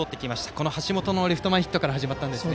この橋本のレフト前ヒットから始まったんですよね。